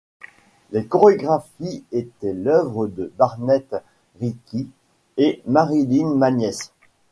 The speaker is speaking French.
Les chorégraphies étaient l'œuvre de Barnett Ricci et Marilyn Magness.